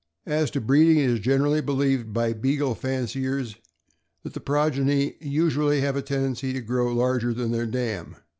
As to breeding, it is generally believed by Beagle fan ciers that the progeny usually have a tendency to grow larger than their dam.